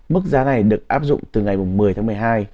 mức giá này được áp dụng từ ngày một mươi tháng một mươi hai